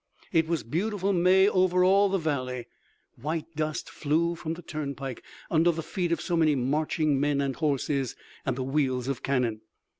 It was beautiful May over all the valley. White dust flew from the turnpike under the feet of so many marching men and horses, and the wheels of cannon.